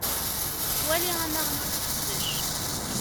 Wali amaɣnu n useqdac:.